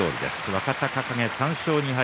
若隆景、３勝２敗。